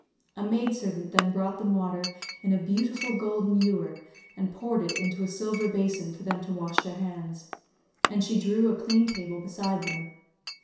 A maid servant then brought them water in a beautiful golden ewer, and poured it into a silver basin for them to wash their hands; and she drew a clean table beside them.